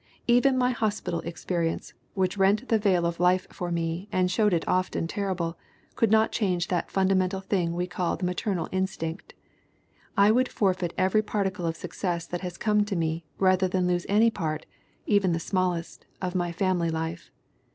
Even my hospital experi ence, which rent the veil of life for me and showed it often terrible, could not change that fundamental thing we call the maternal instinct. ... I would forfeit every particle of success that has come to me rather than lose any part, even the smallest, of my family life.